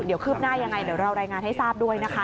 เดี๋ยวคืบหน้ายังไงเดี๋ยวเรารายงานให้ทราบด้วยนะคะ